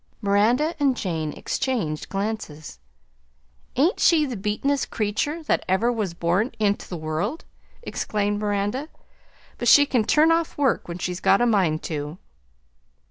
Miranda and Jane exchanged glances. "Ain't she the beatin'est creetur that ever was born int' the world!" exclaimed Miranda; "but she can turn off work when she's got a mind to!"